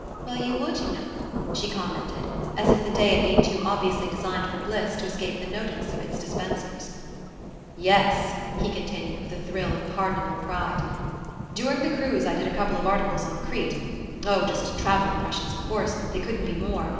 "Well, you would, you know," she commented, as if the day had been too obviously designed for bliss to escape the notice of its dispensers. "Yes," he continued with a thrill of pardonable pride. "During the cruise I did a couple of articles on Crete oh, just travel impressions, of course; they couldn't be more.